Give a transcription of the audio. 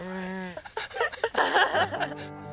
アハハハ。